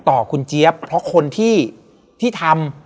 ต่อคุณเจี๊ยบเพราะคนที่ทำ